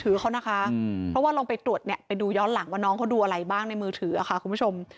นะคะเพราะว่าลองไปตรวจเนี่ยไปดูย้อนหลังว่าน้องเขาดูอะไรบ้างในมือถือค่ะคุณผู้ชม